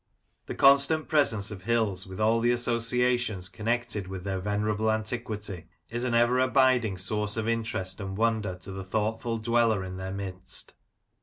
The constant presence of hills, with all the associations connected with their venerable antiquity, is an ever abiding source of interest and wonder to the thoughtful dweller in their midst.